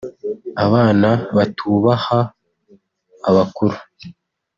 abana batubaha abakuru…”